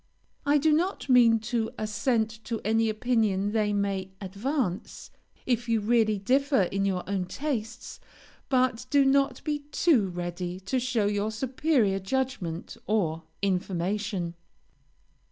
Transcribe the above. I do not mean, to assent to any opinion they may advance, if you really differ in your own tastes, but do not be too ready to show your superior judgment or information.